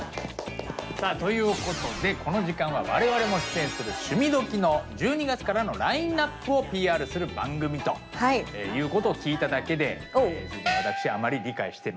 さあということでこの時間は我々も出演する「趣味どきっ！」の１２月からのラインナップをＰＲする番組ということを聞いただけであら！